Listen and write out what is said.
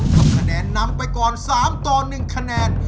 ทำคะแนนนำไปก่อน๓ต่อ๑คะแนน